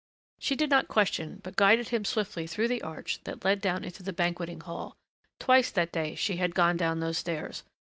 She did not question but guided him swiftly through the arch that led down into the banqueting hall. Twice that day she had gone down those stairs.